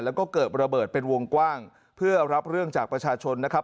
แล้วก็เกิดระเบิดเป็นวงกว้างเพื่อรับเรื่องจากประชาชนนะครับ